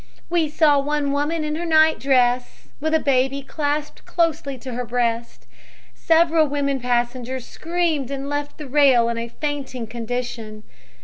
"We saw one woman in her night dress, with a baby clasped closely to her breast. Several women passengers screamed and left the rail in a fainting condition.